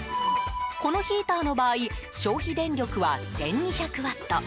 このヒーターの場合消費電力は１２００ワット。